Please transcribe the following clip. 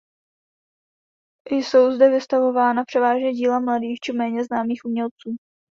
Jsou zde vystavována převážně díla mladých či méně známých umělců.